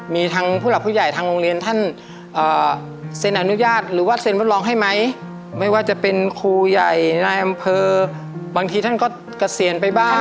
มีทางผู้หลักผู้ใหญ่ทางโรงเรียนท่านเซ็นอนุญาตหรือว่าเซ็นรับรองให้ไหมไม่ว่าจะเป็นครูใหญ่นายอำเภอบางทีท่านก็เกษียณไปบ้าง